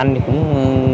anh cũng có